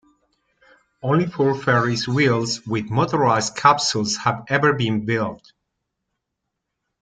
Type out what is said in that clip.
Only four Ferris wheels with motorised capsules have ever been built.